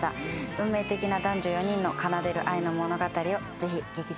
運命的な男女４人の奏でる愛の物語をぜひ劇場でご覧ください。